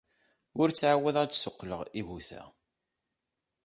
Ur ttɛawadeɣ ad d-ssuqqleɣ iguta.